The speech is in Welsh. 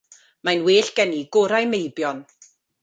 Mae'n well gen i gorau meibion.